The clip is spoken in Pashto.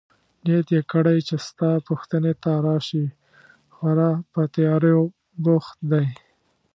نیت يې کړی چي ستا پوښتنې ته راشي، خورا په تیاریو بوخت دی.